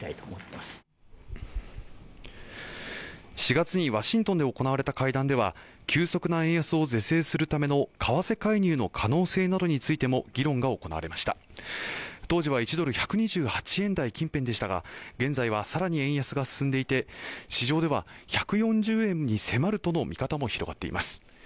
４月にワシントンで行われた会談では急速な円安を是正するための為替介入の可能性などについても議論が行われました当時は１ドル１２８円台近辺でしたが現在はさらに円安が進んでいて市場では１４０円に迫るとの見方も広がっています